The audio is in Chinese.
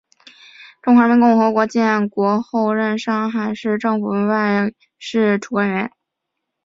中华人民共和国建国后任上海市政府外事处科员。